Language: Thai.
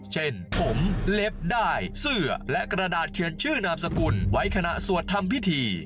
เช่นผมเล็บได้เสื้อและกระดาษเขียนชื่อนามสกุลไว้ขณะสวดทำพิธี